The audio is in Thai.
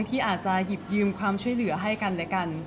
ที่อาจจะหยิบยืมความช่วยเหลือให้กันและกัน